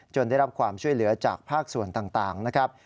ได้รับความช่วยเหลือจากภาคส่วนต่างนะครับ